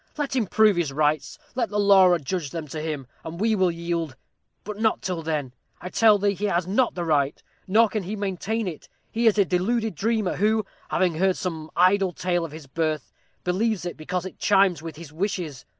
Let him prove his rights. Let the law adjudge them to him, and we will yield but not till then. I tell thee he has not the right, nor can he maintain it. He is a deluded dreamer, who, having heard some idle tale of his birth, believes it, because it chimes with his wishes.